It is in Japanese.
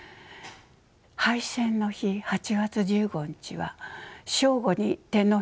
敗戦の日８月１５日は正午に天皇陛下のお言葉があった。